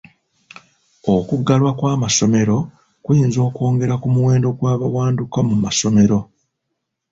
Okuggalwa kw'amasomero kuyinza okwongera ku muwendo gw'abawanduka mu masomero.